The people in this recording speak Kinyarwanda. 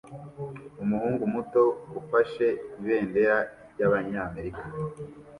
Umuhungu muto ufashe ibendera ryabanyamerika